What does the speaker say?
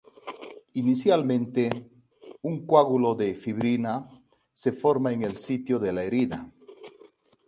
Inicialmente, un coágulo de fibrina se forma en el sitio de la herida.